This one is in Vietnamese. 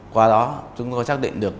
qua đó chúng tôi xác định được